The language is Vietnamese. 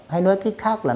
hay nói cách khác là